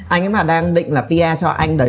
anh ấy mà đang định là pr cho anh đấy